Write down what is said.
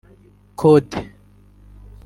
Kode